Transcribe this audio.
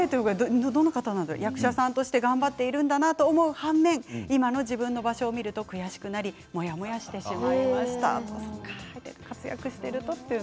役者さんとして頑張っているんだと思う反面、今の自分の場所を見ると悔しくなりモヤモヤしてしまいました。